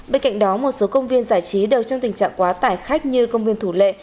bên cạnh đó một số công viên giải trí đều trong tình trạng quá tải khách như công viên thủ lệ